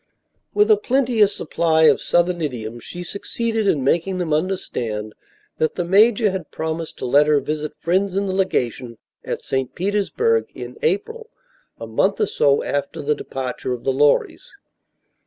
With a plenteous supply of Southern idioms she succeeded in making them understand that the major had promised to let her visit friends in the legation at St. Petersburg in April a month or so after the departure of the Lorrys.